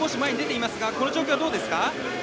この状況はどうですか？